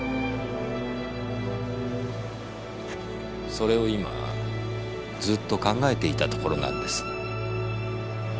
それを今ずっと考えてたところなんです。